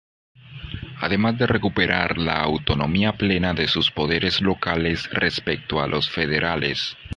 Además de recuperar la autonomía plena de sus poderes locales respecto a los federales.